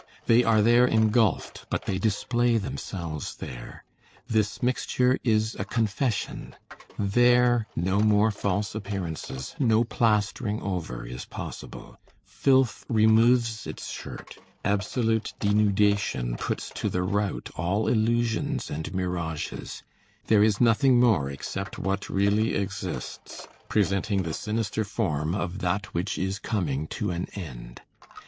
They are there engulfed, but they display themselves there. This mixture is a confession. There, no more false appearances, no plastering over is possible, filth removes its shirt, absolute denudation puts to the rout all illusions and mirages, there is nothing more except what really exists, presenting the sinister form of that which is coming to an end.